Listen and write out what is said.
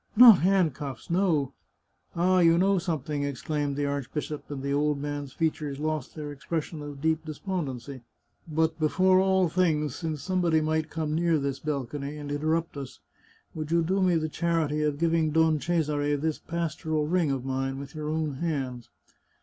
" Not handcuffs. No." " Ah, you know something," exclaimed the archbishop, and the old man's features lost their expression of deep de spondency ;" but before all things, since somebody might come near this balcony, and interrupt us, would you do me 288 The Chartreuse of Parma the charity of giving Don Cesare this pastoral ring of mine with your own hands